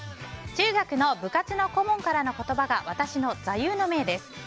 中学の部活の顧問からの言葉が私の座右の銘です。